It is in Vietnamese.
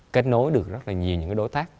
kết nối được rất là nhiều những đối tác